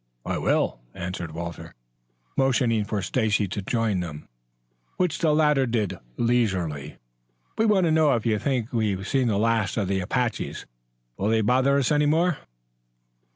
"I will," answered Walter, motioning for Stacy to join them, which the latter did leisurely. "We want to know if you think we've seen the last of the Apaches? Will they bother us any more?"